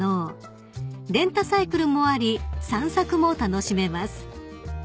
［レンタサイクルもあり散策も楽しめます］